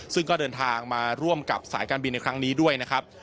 ซึ่งก็เดินทางมาร่วมกับสายการบินในครั้งนี้ด้วยนะครับ